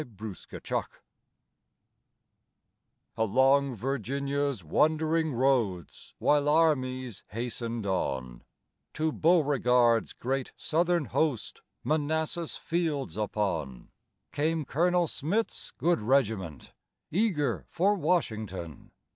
THE COUNTERSIGN Along Virginia's wondering roads While armies hastened on, To Beauregard's great Southern host, Manassas fields upon, Came Colonel Smith's good regiment, Eager for Washington.